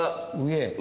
上。